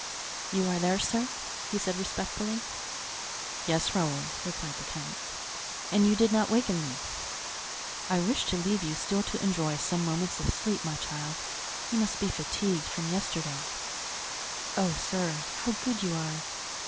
"You are there, sir?" he said, respectfully. "Yes, Raoul," replied the count. "And you did not awaken me?" "I wished to leave you still to enjoy some moments of sleep, my child; you must be fatigued from yesterday." "Oh, sir, how good you are!"